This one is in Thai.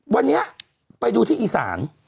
วันนี้ไปดูที่อีสาน